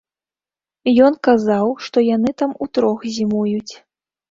Ён казаў, што яны там утрох зімуюць.